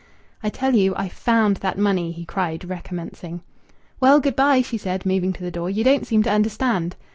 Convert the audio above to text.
"I tell you I found that money," he cried, recommencing. "Well, good bye," she said, moving to the door. "You don't seem to understand."